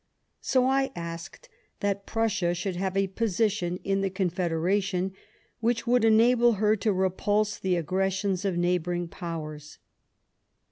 So I asked that Prussia should have a position in the Confederation which would enable her to repulse the aggressions of neighbouring Powers.